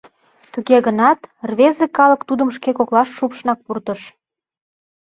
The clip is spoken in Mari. Туге гынат, рвезе калык тудым шке коклаш шупшынак пуртыш.